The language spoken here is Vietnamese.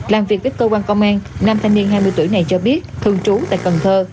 làm việc với cơ quan công an nam thanh niên hai mươi tuổi này cho biết thường trú tại cần thơ